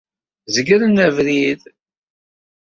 Zegren abrid.